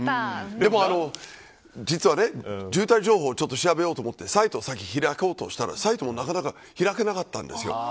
でも、実は渋滞情報を調べようと思ってサイトを開こうとしたらサイトもなかなか開けなかったんですよ。